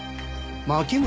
牧村？